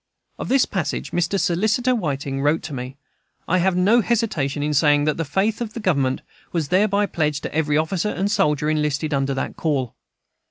Of this passage Mr. Solicitor Whiting wrote to me: "I have no hesitation in saying that the faith of the Government was thereby pledged to every officer and soldier enlisted under that call."